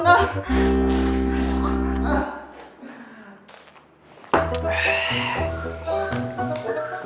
aduh udah dah